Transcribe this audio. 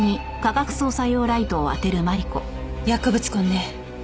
薬物痕ね。